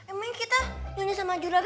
emangnya kita nyunyi sama jura kan